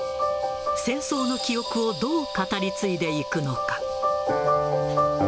戦争の記憶をどう語り継いでいくのか。